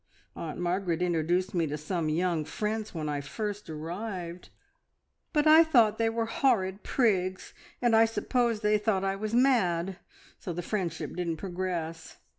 Aunt Margaret introduced me to some `young friends' when I first arrived, but I thought they were horrid prigs, and I suppose they thought I was mad, so the friendship didn't progress.